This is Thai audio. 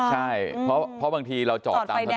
ใช่เพราะบางทีเราจอดตามถนน